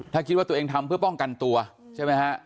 ถ้าคิดว่าตัวเองทำเพื่อป้องกันตัวใช่ไหมฮะ